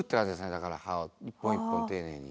だから歯を一本一本丁寧に。